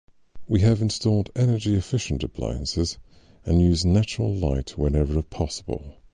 We have installed energy-efficient appliances and use natural light whenever possible.